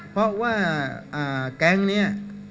เพราะว่าแก๊งนี้